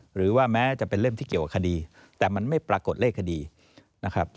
หรือว่าแม้จะเป็นเรื่องที่เกี่ยวกับคดีแต่มันไม่ปรากฏเลขคดีนะครับ